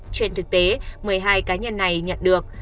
trên thực tế một mươi hai cá nhân này nhận được